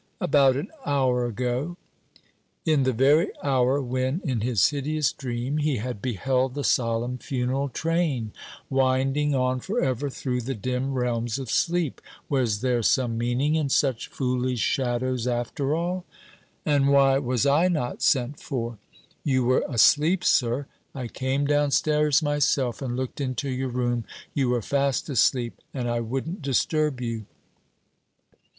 "About an hour ago." In the very hour when, in his hideous dream, he had beheld the solemn funeral train winding on for ever through the dim realms of sleep. Was there some meaning in such foolish shadows, after all? "And why was I not sent for?" "You were asleep, sir. I came downstairs myself, and looked into your room. You were fast asleep, and I wouldn't disturb you."